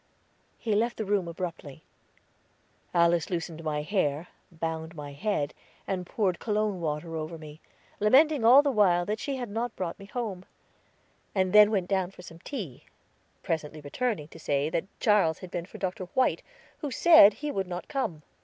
He left the room abruptly. Alice loosened my hair, bound my head, and poured cologne water over me, lamenting all the while that she had not brought me home; and then went down for some tea, presently returning to say that Charles had been for Dr. White, who said he would not come.